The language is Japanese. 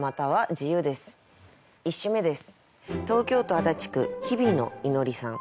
１首目です。